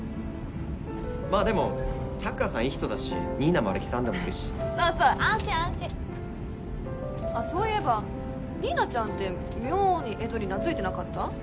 まあでもタッカーさんいい人だしニーナもアレキサンダーもいるしそうそう安心安心あっそういえばニーナちゃんって妙にエドに懐いてなかった？